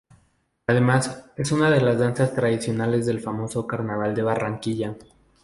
Además, es una de las danzas tradicionales del famoso Carnaval de Barranquilla.